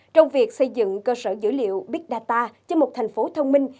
trong việc xây dựng cơ sở dữ liệu big data cho một thành phố thông minh